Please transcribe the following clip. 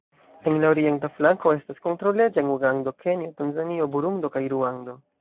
En la orienta flanko estas kontraŭleĝa en Ugando, Kenjo, Tanzanio, Burundo kaj Ruando.